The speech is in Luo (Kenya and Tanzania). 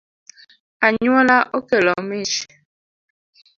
Anyuola okelo mich